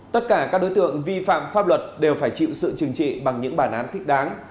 tất cả các đối tượng vi phạm pháp luật đều phải chịu sự trừng trị bằng những bản án thích đáng